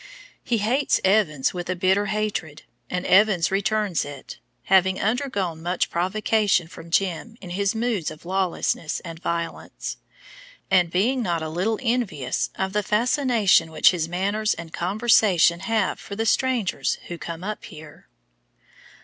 He hates Evans with a bitter hatred, and Evans returns it, having undergone much provocation from Jim in his moods of lawlessness and violence, and being not a little envious of the fascination which his manners and conversation have for the strangers who come up here.